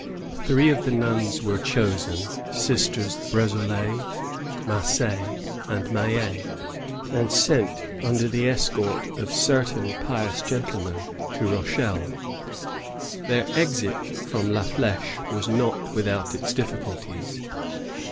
Three of the nuns were chosen, — Sisters Brdsoles, Mac^, and Maillet, — and sent under the escort of certain pious gentlemen to Rochelle. Their exit from La Fldche was not without its difficulties.